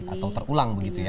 atau terulang begitu ya